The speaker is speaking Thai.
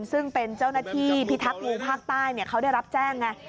ซึ่งเป็นเจ้าหน้าที่พิทักษ์งูภาคใต้เขาได้รับแจ้งไง